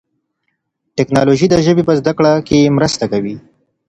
تکنالوژي د ژبي په زده کړه کي مرسته کوي.